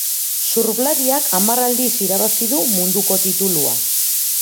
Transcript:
Surflariak hamar aldiz irabazi du munduko titulua.